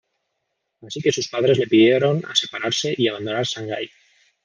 Así que sus padres le pidieron a separarse y abandonar Shanghai.